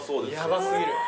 ヤバ過ぎる。